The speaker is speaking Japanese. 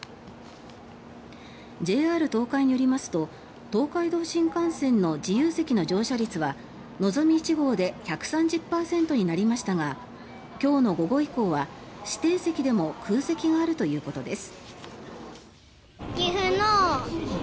ＪＲ東海によりますと東海道新幹線の自由席の乗車率はのぞみ１号で１３０％になりましたが今日の午後以降は指定席でも空席があるということです。